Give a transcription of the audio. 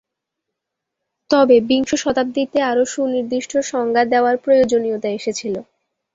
তবে বিংশ শতাব্দীতে, আরও সুনির্দিষ্ট সংজ্ঞা দেওয়ার প্রয়োজনীয়তা এসেছিল।